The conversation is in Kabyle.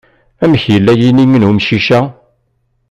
Amek yella yini n umcic-a?